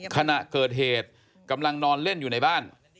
ขณะเกิดเหตุกำลังนอนเล่นอยู่ในบ้าน